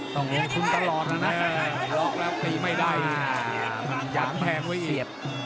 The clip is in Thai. ต้องมีคุณตลอดแล้วนะล็อกแล้วตีไม่ได้อ่ายางแพงไว้อีก